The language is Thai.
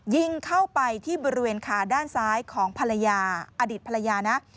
ยิงเข้าไปที่บริเวณขาด้านซ้ายของภรรยาอดีตภรรยานะ